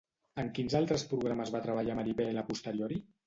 En quins altres programes va treballar Maribel a posteriori?